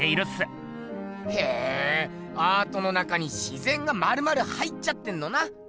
へアートの中に自ぜんがまるまる入っちゃってんのな。